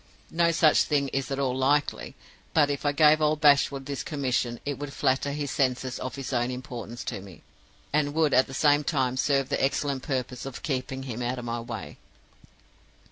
No such thing is at all likely; but if I gave old Bashwood this commission, it would flatter his sense of his own importance to me, and would at the same time serve the excellent purpose of keeping him out of my way."